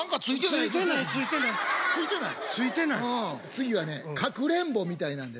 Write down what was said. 次はねかくれんぼみたいなんでね。